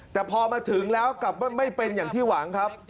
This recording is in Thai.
แต่พอมาถึงแล้วกลับว่าไม่เป็นอย่างที่หวังครับ